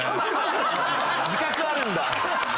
自覚あるんだ！